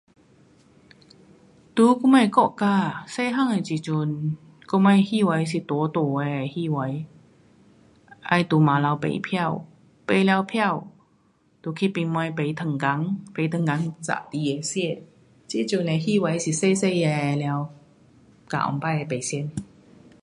在我们国家啊，小汉的时阵我们戏院是大大的戏院，要在晚头买票，买了票，就去买么买糖果，买糖果宅那的吃，这阵的戏院小小了，跟以前的不同。